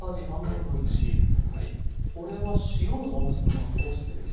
これは塩をまぶすのはどうしてですか？